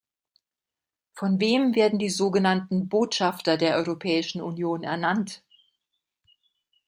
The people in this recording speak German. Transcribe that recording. Von wem werden die so genannten Botschafter der Europäischen Union ernannt?